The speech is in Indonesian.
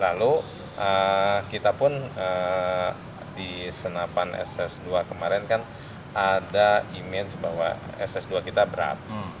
lalu kita pun di senapan ss dua kemarin kan ada image bahwa ss dua kita berat